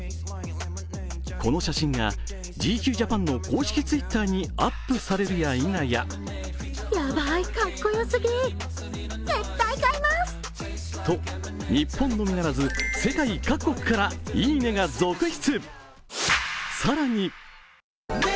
この写真が「ＧＱＪＡＰＡＮ」の公式Ｔｗｉｔｔｅｒにアップされるやいなや日本のみならず世界各国から「いいね」が続出。